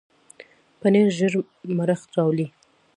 پنېر ژر مړښت راولي.